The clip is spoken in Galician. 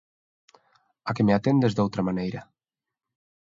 A que me atendes doutra maneira?